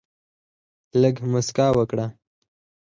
لږ مسکا وکړه.